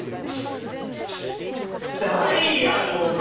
ダイヤの５！